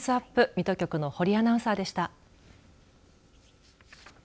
水戸局の保里アナウンサーでした。